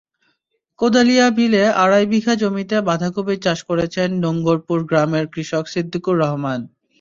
কোদালিয়া বিলে আড়াই বিঘা জমিতে বাঁধাকপির চাষ করেছেন নোংগরপুর গ্রামের কৃষক সিদ্দিকুর রহমান।